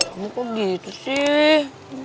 kamu kok gitu sih